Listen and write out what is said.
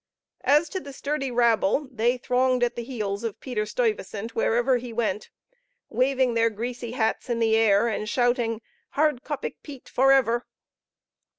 As to the sturdy rabble, they thronged at the heels of Peter Stuyvesant wherever he went, waving their greasy hats in the air, and shouting, "Hardkoppig Piet forever!"